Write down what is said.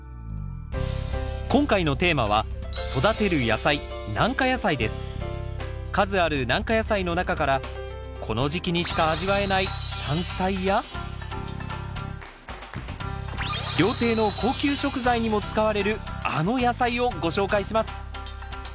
今回のテーマは数ある軟化野菜の中からこの時期にしか味わえない山菜や料亭の高級食材にも使われるあの野菜をご紹介します。